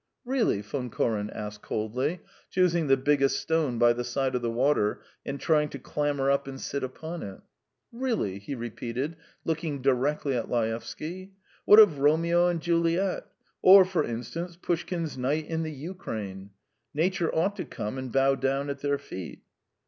"Really?" Von Koren asked coldly, choosing the biggest stone by the side of the water, and trying to clamber up and sit upon it. "Really?" he repeated, looking directly at Laevsky. "What of 'Romeo and Juliet'? Or, for instance, Pushkin's 'Night in the Ukraine'? Nature ought to come and bow down at their feet."